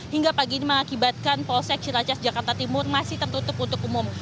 hingga pagi ini mengakibatkan polsek ciracas jakarta timur masih tertutup untuk umum